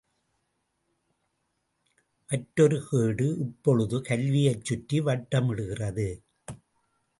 மற்றொரு கேடு இப்பொழுது கல்வியைச் சுற்றி வட்டமிடுகிறது.